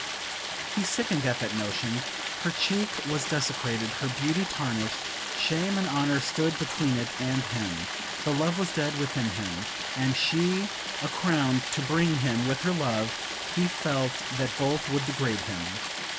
He sickened at that notion. Her cheek was desecrated, her beauty tarnished; shame and honor stood between it and him. The love was dead within him; had she a crown to bring him with her love, he felt that both would degrade him.